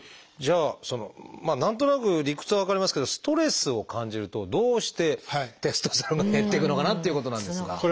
じゃあ何となく理屈は分かりますけどストレスを感じるとどうしてテストステロンが減っていくのかなっていうことなんですが。